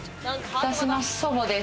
私の祖母です。